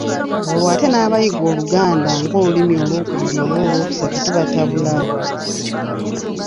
Olwo ate n'abayiga Oluganda ng’olulimi olwokubiri oba olwokusatu tubatabula.